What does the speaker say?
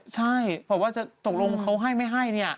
ใช่บอกว่าจะตกลงเขาให้ไม่ให้